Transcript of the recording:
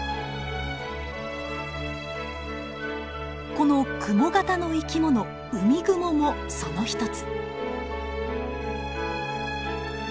このクモ型の生き物ウミグモもその一つ。